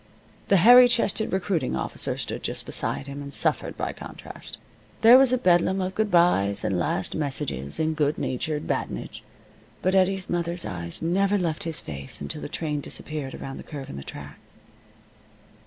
The hairy chested recruiting officer stood just beside him, and suffered by contrast. There was a bedlam of good byes, and last messages, and good natured badinage, but Eddie's mother's eyes never left his face until the train disappeared around the curve in the track.